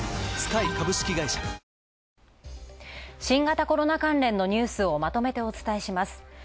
新型コロナ関連のニュースをまとめてお伝えします。